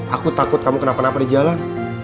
aku takut kamu kenapa napa di jalan